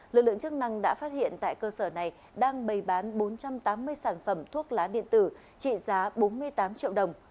lực lượng chức năng đã phát hiện tại cơ sở này đang bày bán bốn trăm tám mươi sản phẩm thuốc lá điện tử trị giá bốn mươi tám triệu đồng